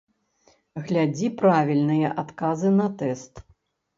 Глядзі правільная адказы на тэст!